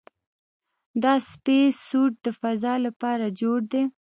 دا سپېس سوټ د فضاء لپاره جوړ دی.